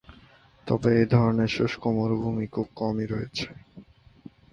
তবে এই ধরনের শুষ্ক মরুভূমি খুব কমই রয়েছে।